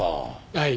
はい。